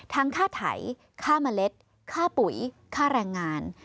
ค่าไถค่าเมล็ดค่าปุ๋ยค่าแรงงาน